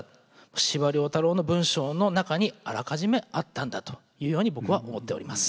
司馬太郎の文章の中にあらかじめあったんだというように僕は思っております。